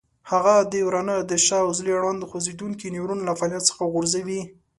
هغه د ورانه د شا عضلې اړوند خوځېدونکی نیورون له فعالیت څخه غورځوي.